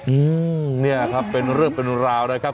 อืมเนี่ยครับเป็นเรื่องเป็นราวนะครับ